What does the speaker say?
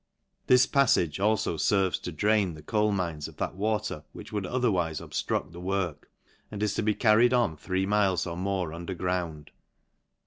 This paflage alfo ferves to drain the coal mines of that water which would otherwife obftrucl the work, and is to be carried on three miles or more under ground.